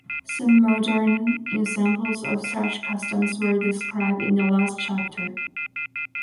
Some modern examples of such customs were described in the last chapter.